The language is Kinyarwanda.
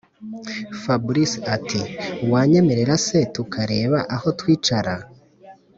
fabric ati”wanyemerera sw tukareba aho twicara